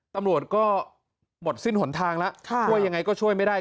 ตำรวจก็หมดสิ้นหนทางแล้วช่วยยังไงก็ช่วยไม่ได้